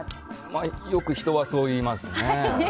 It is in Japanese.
よく人はそう言いますね。